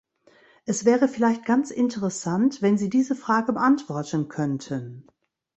Es wäre vielleicht ganz interessant, wenn Sie diese Frage beantworten könnten.